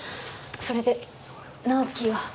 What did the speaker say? それで直木は？